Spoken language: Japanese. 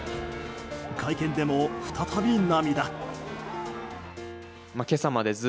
会見でも、再び涙。